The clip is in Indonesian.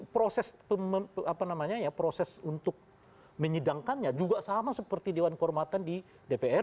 proses untuk menyidangkannya juga sama seperti dewan kehormatan di dpr